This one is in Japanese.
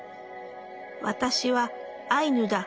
「私はアイヌだ。